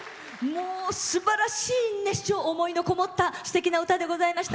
すばらしい熱唱思いのこもったすてきな歌でございました。